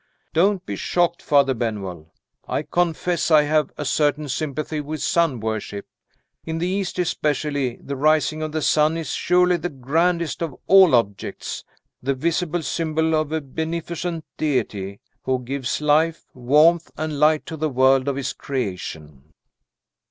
Don't be shocked, Father Benwell I confess I have a certain sympathy with sun worship. In the East especially, the rising of the sun is surely the grandest of all objects the visible symbol of a beneficent Deity, who gives life, warmth and light to the world of his creation."